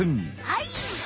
はい。